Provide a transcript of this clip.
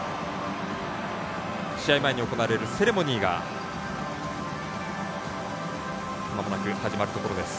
試合前に行われるセレモニーがまもなく始まるところです。